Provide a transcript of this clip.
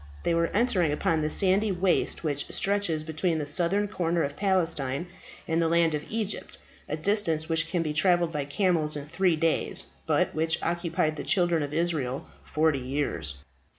They were entering upon that sandy waste which stretches between the southern corner of Palestine and the land of Egypt, a distance which can be travelled by camels in three days, but which occupied the Children of Israel forty years.